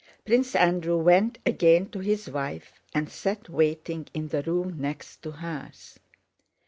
Prince Andrew went again to his wife and sat waiting in the room next to hers.